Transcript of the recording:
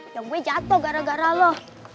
yang gue jatoh gara gara lo